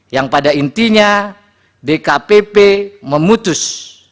yang pada intinya dkpp memutus